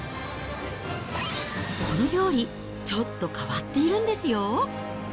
この料理、ちょっと変わっているんですよ。